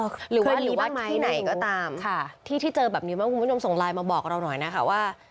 หรือว่าหรือว่าที่ไหนก็ตามที่ที่เจอแบบนี้บ้างคุณผู้ชมส่งไลน์มาบอกเราหน่อยนะคะว่า